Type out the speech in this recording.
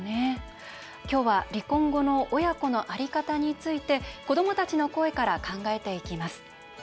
今日は離婚後の親子のあり方について子どもたちの声から考えていきます。